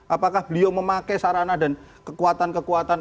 apakah beliau memakai sarana dan kekuatan kekuatan